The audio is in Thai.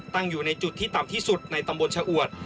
ตั้งอยู่ในจุดที่ต่ำที่สุดในตำบลชะอวด